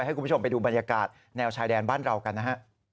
ให้คุณผู้ชมไปดูบรรยากาศแนวชายแดนบ้านเรากันนะฮะ